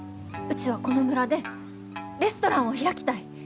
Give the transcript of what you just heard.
うちはこの村でレストランを開きたい！